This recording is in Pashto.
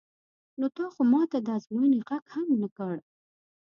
نو تا خو ما ته د ازموینې غږ هم نه کړ.